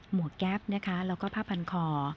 วกแก๊ปนะคะแล้วก็ผ้าพันคอ